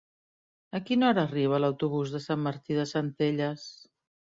A quina hora arriba l'autobús de Sant Martí de Centelles?